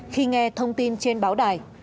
khi nghe thông tin trên báo đài